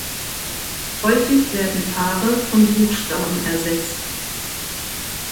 Häufig werden Paare von Buchstaben ersetzt.